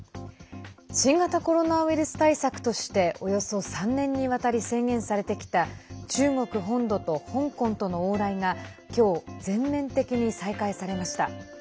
新型コロナウイルス対策としておよそ３年にわたり制限されてきた中国本土と香港との往来が今日、全面的に再開されました。